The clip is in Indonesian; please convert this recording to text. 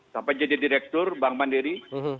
sampai jadi direktur bank mandiri